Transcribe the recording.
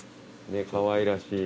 かわいらしい。